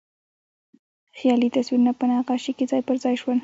خیالي تصویرونه په نقاشۍ کې ځای پر ځای شول.